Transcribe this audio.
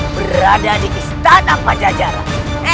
berada di kistanan panjajaran